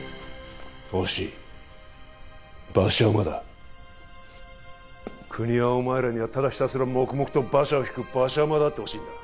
惜しい馬車馬だ国はお前らにはただひたすら黙々と馬車を引く馬車馬であってほしいんだ